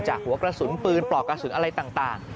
หัวกระสุนปืนปลอกกระสุนอะไรต่าง